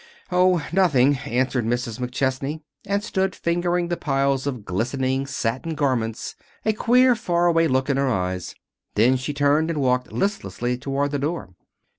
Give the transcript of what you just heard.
"Oh, nothing," answered Mrs. McChesney, and stood fingering the piles of glistening satin garments, a queer, faraway look in her eyes. Then she turned and walked listlessly toward the door.